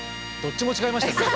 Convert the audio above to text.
どっちも違いましたね。